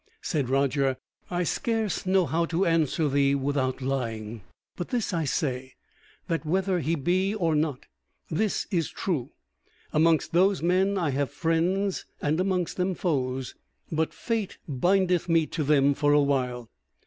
Said Roger: "I scarce know how to answer thee without lying: but this I say, that whether he be or not, this is true; amongst those men I have friends and amongst them foes; but fate bindeth me to them for a while."